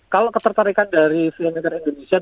kalau ketertarikan dari film film indonesia